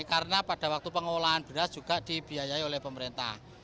karena pada waktu pengolahan beras juga dibiayai oleh pemerintah